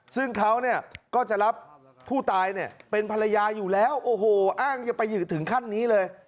ซึ่งเขาก็จะรับผู้ตายเนี่ยเป็นภรรยาอยู่แล้วโอ้โหอ้างจะไปอยู่ถึงขั้นนี้เลย